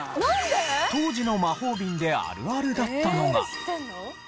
当時の魔法瓶であるあるだったのが。